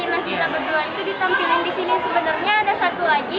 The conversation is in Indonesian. nah kita berdua itu ditampilin di sini sebenarnya ada satu lagi